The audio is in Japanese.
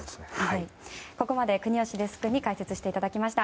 ここまで国吉デスクに解説していただきました。